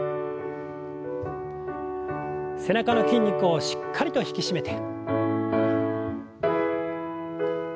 背中の筋肉をしっかりと引き締めて。